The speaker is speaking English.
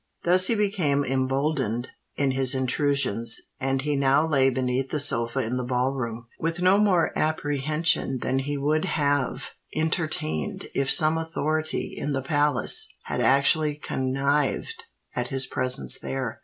Thus he became emboldened in his intrusions; and he now lay beneath the sofa in the Ball Room, with no more apprehension than he would have entertained if some authority in the palace had actually connived at his presence there.